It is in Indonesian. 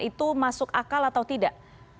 itu masuk akal atau tidak